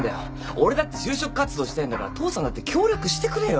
俺だって就職活動したいんだから父さんだって協力してくれよ。